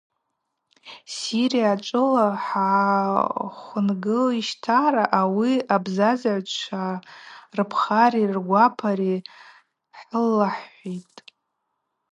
Сирия ачӏвыла хӏгӏахвынгылищтара ауи абзазагӏвчва рпхари ргвапари хӏылахӏхӏвитӏ.